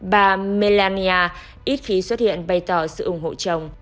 bà melania ít khí xuất hiện bày tỏ sự ủng hộ chồng